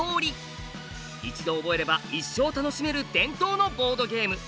一度覚えれば一生楽しめる伝統のボードゲーム。